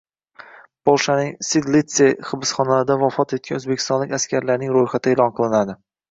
Polshaning Sidlitse xibsxonalarida vafot etgan O‘zbekistonlik askarlarning ro‘yxati e’lon qilinadi.